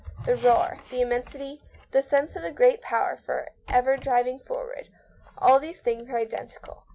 The roar, the immensity, the sense of a great power for ever driving forward; all these things are identical.